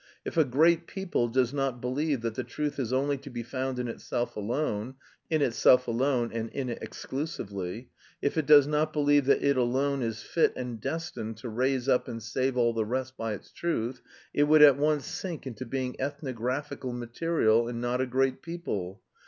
If a great people does not believe that the truth is only to be found in itself alone (in itself alone and in it exclusively); if it does not believe that it alone is fit and destined to raise up and save all the rest by its truth, it would at once sink into being ethnographical material, and not a great people.